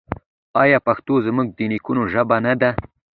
آیا پښتو زموږ د نیکونو ژبه نه ده؟